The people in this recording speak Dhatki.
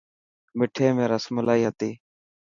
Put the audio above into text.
مٺي ۾ رسملائي هتي.